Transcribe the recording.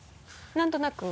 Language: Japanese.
何となく？